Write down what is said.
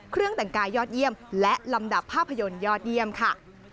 เครื่องแต่งกายยอดเยี่ยมและลำดับภาพยนตร์ยอดเยี่ยมค่ะ